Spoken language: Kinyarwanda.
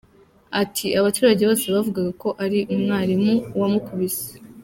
Ati “Abaturage bose bavugaga ko ari umwarimu wamukubise.